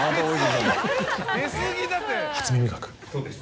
そうです。